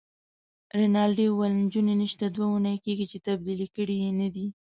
رینالډي وویل: نجونې نشته، دوې اونۍ کیږي چي تبدیلي کړي يې نه دي.